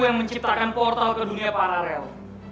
yang menciptakan portal ke dunia pararel